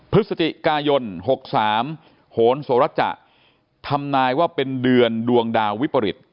พฤศจิกายน๖๓โหนโสระจะทำนายว่าเป็นเดือนดวงดาววิปริต